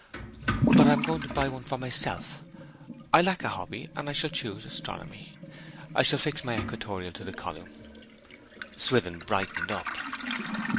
'But I am going to buy one for myself. I lack a hobby, and I shall choose astronomy. I shall fix my equatorial on the column.' Swithin brightened up.